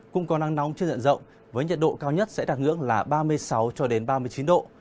cũng có nắng nóng trên diện rộng với nhiệt độ cao nhất sẽ đạt ngưỡng là ba mươi sáu cho đến ba mươi chín độ